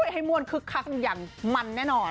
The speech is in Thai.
ให้ม่วนคึกคักอย่างมันแน่นอน